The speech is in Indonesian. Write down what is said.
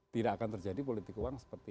tidak akan terjadi politik uang seperti